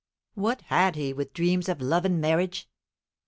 What had he with dreams of love and marriage?